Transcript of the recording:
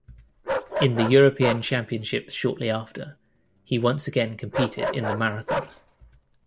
In the European Championships shortly after, he once again competed in the marathon.